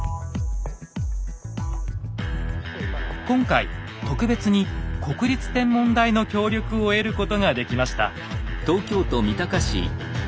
今回特別に国立天文台の協力を得ることができました。